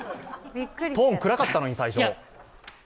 トーン暗かったのに、最初。